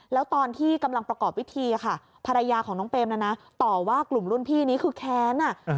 แล้วตอนที่กำลังประกอบพิธีค่ะภรรยาของน้องเปมนะนะต่อว่ากลุ่มรุ่นพี่นี้คือแค้น